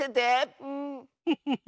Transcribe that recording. フフフ。